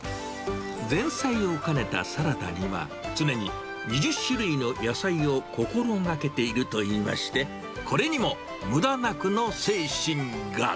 前菜を兼ねたサラダには、常に２０種類の野菜を心がけているといいまして、これにもむだなくの精神が。